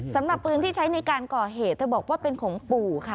สำหรับปืนที่ใช้ในการก่อเหตุเธอบอกว่าเป็นของปู่ค่ะ